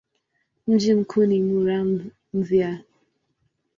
Mji mkuu ni Muramvya.